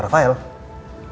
dia juga sepupu saya